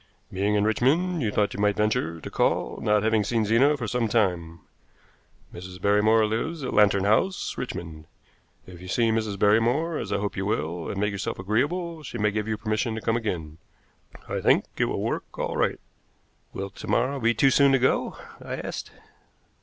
Being in Richmond, you thought you might venture to call, not having seen Zena for some time. Mrs. Barrymore lives at Lantern House, Richmond. If you see Mrs. Barrymore, as I hope you will, and make yourself agreeable, she may give you permission to come again. I think it will work all right." "Will to morrow be too soon to go?" I asked.